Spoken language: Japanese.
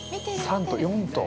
◆３頭、４頭。